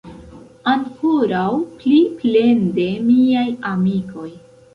Ankoraŭ pli plende, miaj amikoj!